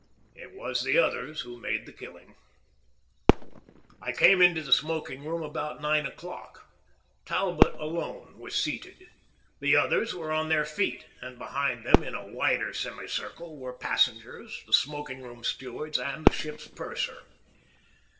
It was the others who made the killing. I came into the smoking room about nine o'clock. Talbot alone was seated. The others were on their feet, and behind them in a wider semicircle were passengers, the smoking room stewards, and the ship's purser.